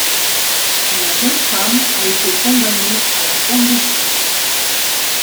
La jeune femme a été condamnée à la pendaison.